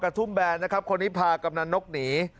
ทุ่มแบนนะครับคนนี้พากำนันนกหนี